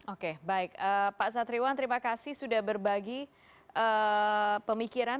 oke baik pak satriwan terima kasih sudah berbagi pemikiran